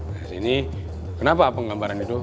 nah ini kenapa penggambaran itu